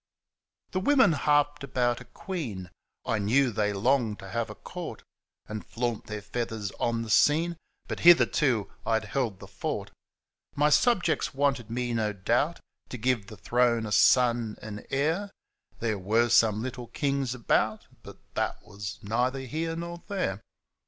The women harped about a queen, I knew they longed to have a court And flaunt their f eathars on the scene, But hitherto I'd held the fort. My subjects wanted me, no doubt. To give the throne a son and heir — (There were some little kings about, But that was neither here nor there).